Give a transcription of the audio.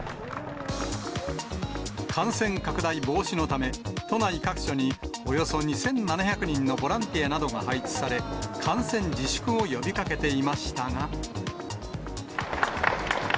感染拡大防止のため、都内各所におよそ２７００人のボランティアなどが配置され、観戦自粛を呼びかけていましたが。